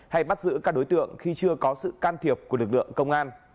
hay bắt giữ các đối tượng khi chưa có sự can thiệp của lực lượng công an